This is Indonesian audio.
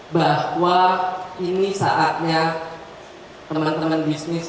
bahwa ini saatnya teman teman bisnis